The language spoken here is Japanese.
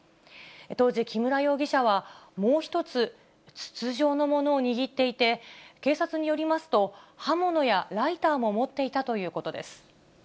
当時、木村容疑者はもう一つ、筒状のものを握っていて、警察によりますと、刃物やライターも持っていたということです。